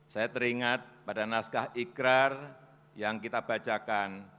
saya teringat pada naskah ikrar yang kita bacakan